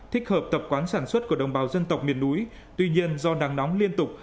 thích hợp tập quán sản xuất của đồng bào dân tộc miền núi tuy nhiên do nắng nóng liên tục